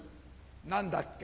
何だっけ？